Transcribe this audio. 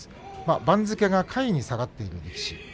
番付が下位に下がっている力士